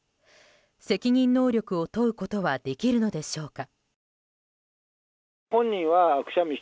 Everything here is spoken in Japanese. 責任能力を問うことはできるのでしょうか。